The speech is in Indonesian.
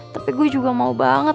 tapi gue juga mau banget